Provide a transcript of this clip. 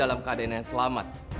ada yang selamat